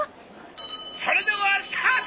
「それではスタート！」